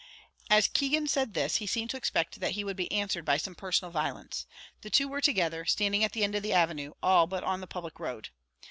As Keegan said this, he seemed to expect that he would be answered by some personal violence. The two were together, standing at the end of the avenue, all but on the public road.